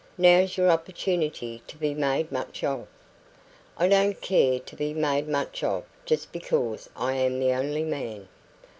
Now's your opportunity to be made much of." "I don't care to be made much of just because I am the only man."